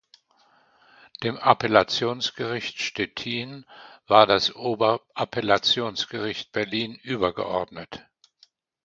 Dem Appellationsgericht Stettin war das Oberappellationsgericht Berlin übergeordnet.